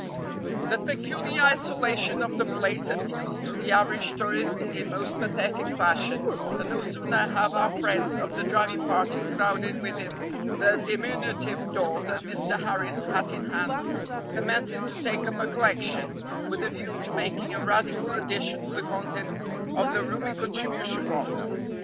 The peculiar isolation of the place appeals to the average tourist in most pathetic fashion, and no sooner have our friends of the driving party crowded within the diminutive door than Mr. Harris, hat in hand, commences to take up a collection, with a view to making a radical addition to the contents of the roomy contribution box.